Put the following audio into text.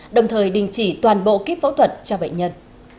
đồng thời đình chỉ toàn bộ kít phẫu thuật cho bệnh nhân